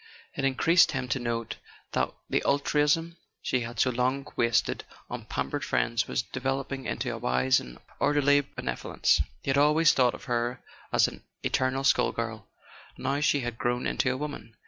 It interested him to note that the altruism she had so long wasted on pampered friends was developing into a wise and or¬ derly beneficence. He had always thought of her as an eternal schoolgirl; now she had growm into a woman.